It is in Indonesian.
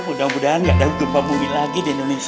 mudah mudahan gak ada gempa bumi lagi di indonesia